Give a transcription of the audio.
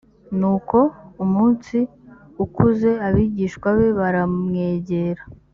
nuko umunsi ukuze abigishwa be baramwegera